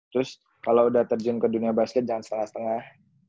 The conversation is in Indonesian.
terus kalau udah terjun ke dunia basket jangan setengah setengah